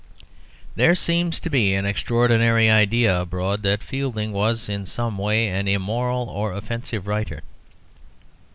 There seems to be an extraordinary idea abroad that Fielding was in some way an immoral or offensive writer.